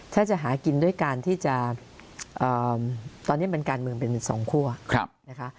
ถ้าจะหากินด้วยการที่จะตอนนี้เป็นการเมืองเป็นสองคั่วนะคะ